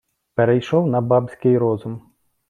перейшов на бабский розум